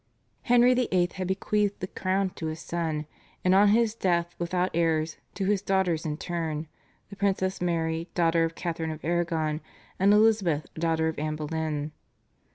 Henry VIII. had bequeathed the crown to his son, and on his death without heirs to his daughters in turn, the Princess Mary daughter of Catharine of Aragon, and Elizabeth daughter of Anne Boleyn.